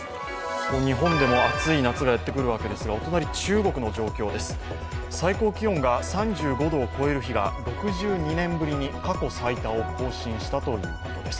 ここ日本でも暑い夏がやってくるわけですがお隣、中国の状況です、最高気温が３５度を超える日が６２年ぶりに過去最多を更新したということです。